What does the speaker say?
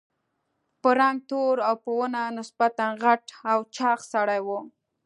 په رنګ تور او په ونه نسبتاً غټ او چاغ سړی و.